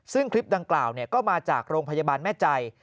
ซึ่งคลิปดังกล่าวก็มาจากโรงพยาบาลแม่ใจ